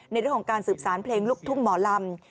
ในเรื่องของการสืบสารเพลงลูกทุ่งหมอลำ